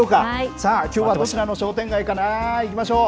さあ、きょうはどちらの商店街かな、行きましょう。